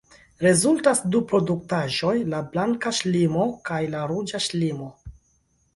Rezultas du produktaĵoj, la blanka ŝlimo kaj la ruĝa ŝlimo.